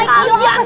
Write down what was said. ini apa emok